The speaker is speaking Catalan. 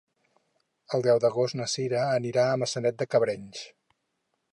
El deu d'agost na Cira anirà a Maçanet de Cabrenys.